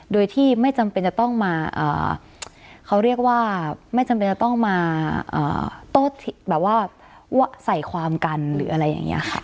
โดยที่ไม่จำเป็นจะต้องมาเขาเรียกว่าไม่จำเป็นจะต้องมาโต้แบบว่าใส่ความกันหรืออะไรอย่างนี้ค่ะ